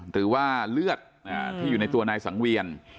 หรือว่าเลือดที่อยู่ในตัวนายสังเวียน